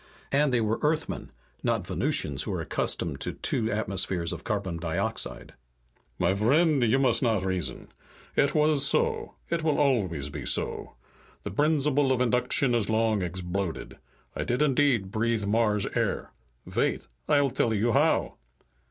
And they were Earthmen, not Venusians who are accustomed to two atmospheres of carbon dioxide." "My vriend, you must not reason: it was so, it always will be so. The brinciple of induction is long exbloded. I did indeed breathe Mars air. Vait! I tell you how."